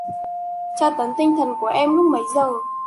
Tra tấn tinh thần của em lúc mấy giờ